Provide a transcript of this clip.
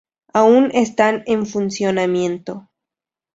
Aún están en funcionamiento.